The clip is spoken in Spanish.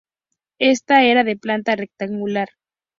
Esta era de planta rectangular.